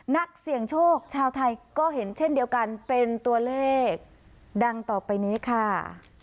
นักเสี่ยงโชคชาวไทยก็เห็นเช่นเดียวกันเป็นตัวเลขดังต่อไปนี้ค่ะ